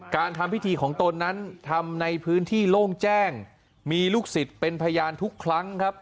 การทำพิธีของตนนั้นทำในพื้นที่โล่งแจ้งมีลูกศิษย์เป็นพยานทุกครั้งครับ